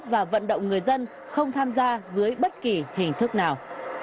và vận động người dân không tham gia dưới bất kỳ hình thức nào